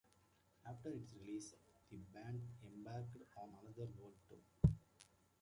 After its release, the band embarked on another world tour.